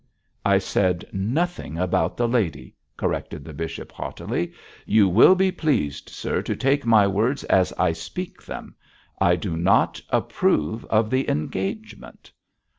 'I said nothing about the lady,' corrected the bishop, haughtily; 'you will be pleased, sir, to take my words as I speak them. I do not approve of the engagement.'